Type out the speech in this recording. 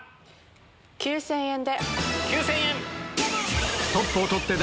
９０００円で。